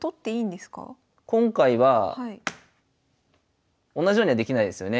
今回は同じようにはできないですよね？